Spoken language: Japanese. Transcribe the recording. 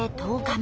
１０日。